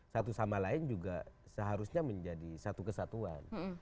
satu sama lain juga seharusnya menjadi satu kesatuan